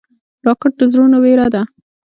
راکټ د زړونو وېره ده